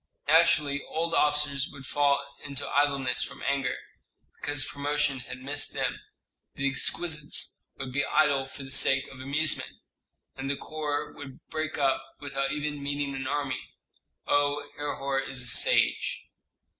Naturally old officers would fall into idleness from anger, because promotion had missed them; the exquisites would be idle for the sake of amusement, and the corps would break up without even meeting an enemy. Oh, Herhor is a sage!"